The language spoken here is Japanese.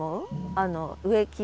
あの植木の。